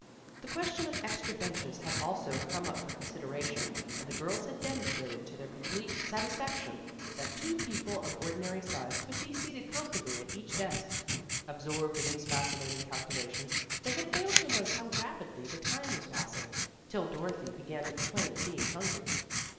The question of extra benches had also come up for consideration, and the girls had demonstrated to their complete satisfaction that two people of ordinary size could be seated comfortably at each desk. Absorbed in these fascinating calculations, they had failed to notice how rapidly the time was passing, till Dorothy began to complain of being hungry.